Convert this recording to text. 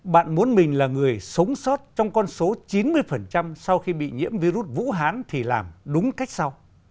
bạn muốn mình là người sống sót trong con số chín mươi sau khi bị nhiễm virus vũ hán thì làm đúng cách sau